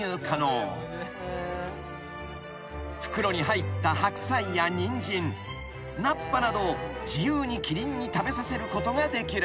［袋に入ったハクサイやニンジン菜っ葉など自由にキリンに食べさせることができる］